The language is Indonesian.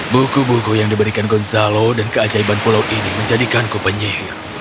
buku buku yang diberikan gonzalo dan keajaiban pulau ini menjadikanku penyihir